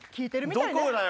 どこだよ？